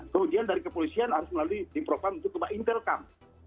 kemudian dari kepolisian harus melalui di program untuk keba intelcam